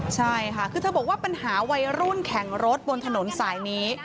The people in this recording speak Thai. ใช่ค่ะคือเธอบอกว่าปัญหาวัยรุ่นแข่งรถบนถนนสายนี้